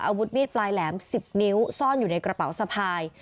อาวุธมีดปลายแหลม๑๐นิ้วซ่อนอยู่ในกระเป๋าสะพาย